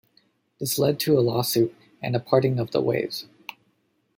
This led to a lawsuit and a parting of the ways.